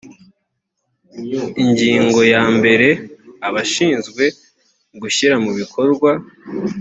ingingo yambere abashinzwe gushyira mubikorwa